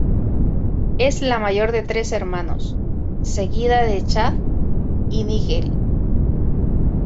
Es la mayor de tres hermanos, seguida de Chaz y Nigel.